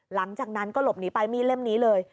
หลังจากนั้นก็หลบหนีไปมีดเล่มนี้เลย